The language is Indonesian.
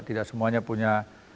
tidak semuanya punya